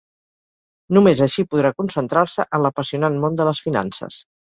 Només així podrà concentrar-se en l'apassionant món de les finances.